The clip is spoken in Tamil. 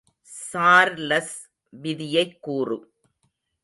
சார்லஸ் விதியைக் கூறு.